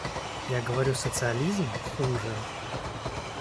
Я говорю социализм — хуже.